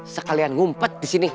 sekalian ngumpet disini